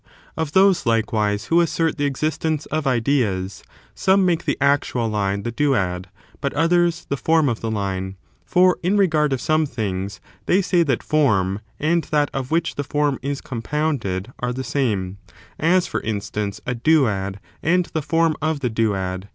Of those, likewise, who {issert the existence of ideas, some make the actual line the duad, but others, the form of the line ; for, in regard of some things, they say that form, and that of which the form is compounded, are the same: as, for instance, a duad and the form of the duad.